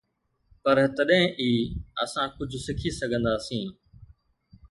پر تڏهن ئي اسان ڪجهه سکي سگهنداسين.